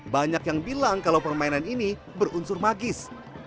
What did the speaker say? banyak yang bilang kalau permainan ini berunsur magis